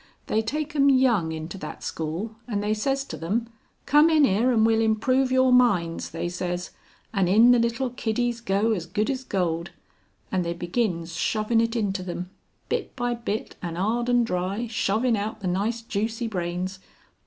They take 'em young into that school, and they says to them, 'come in 'ere and we'll improve your minds,' they says, and in the little kiddies go as good as gold. And they begins shovin' it into them. Bit by bit and 'ard and dry, shovin' out the nice juicy brains.